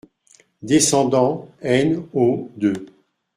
Descendant n o deux.